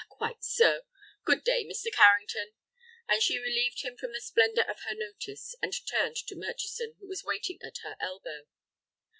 "Ah, quite so; good day, Mr. Carrington," and she relieved him from the splendor of her notice, and turned to Murchison, who was waiting at her elbow.